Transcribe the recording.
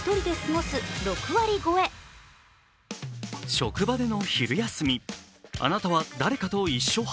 職場での昼休み、あなたは誰かと一緒派？